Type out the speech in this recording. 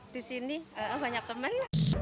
di sini banyak teman